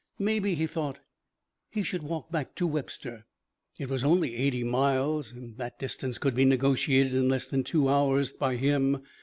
Maybe, he thought, he should walk back to Webster. It was only eighty miles and that distance could be negotiated in less than two hours by him.